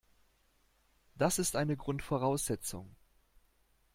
Das ist eine Grundvoraussetzung.